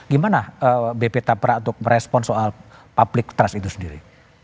gimana bp tapra untuk merespon soal public trust itu sendiri